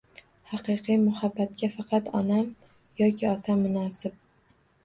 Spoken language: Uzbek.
Haqiqiy muhabbatga faqat onam yokiotam munosib.